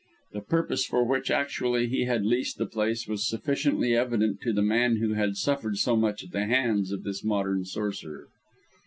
The purpose for which actually he had leased the place was sufficiently evident to the man who had suffered so much at the hands of this modern sorcerer.